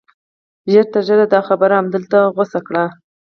ژر تر ژره دا خبره همدلته غوڅه کړئ